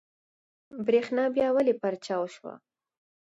برېښنا بيا ولې پرچاو شوه؟